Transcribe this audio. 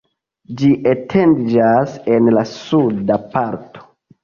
Ĝi etendiĝas en la suda parto.